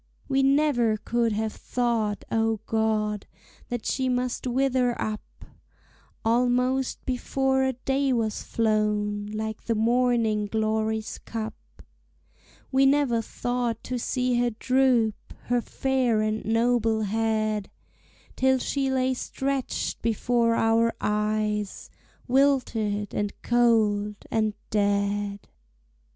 We never could have thought, O God, That she must wither up, Almost before a day was flown, Like the morning glory's cup; We never thought to see her droop Her fair and noble head, Till she lay stretched before our eyes, Wilted, and cold, and dead!